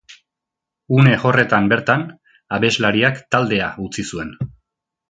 Urte horretan bertan, abeslariak taldea utzi zuen.